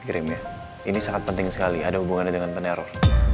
ini sangat penting sekali ada hubungannya dengan peneror